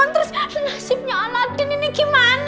terus nasibnya aladin ini gimana